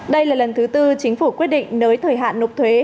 đây là lần thứ tư chính phủ quyết định nới thời hạn nộp thuế